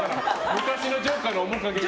昔のジョーカーの面影が。